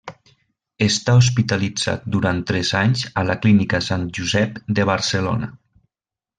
Està hospitalitzat durant tres anys a la Clínica sant Josep de Barcelona.